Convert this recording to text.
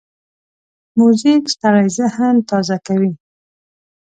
موزیک ستړی ذهن تازه کوي.